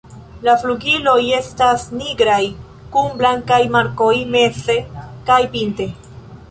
La flugiloj estas nigraj kun blankaj markoj meze kaj pinte.